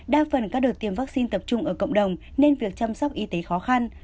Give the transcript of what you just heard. đa phần các đợt tiêm vaccine tập trung ở cộng đồng nên việc chăm sóc y tế khó khăn